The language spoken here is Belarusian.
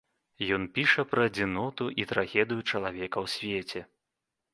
Ён піша пра адзіноту і трагедыю чалавека ў свеце.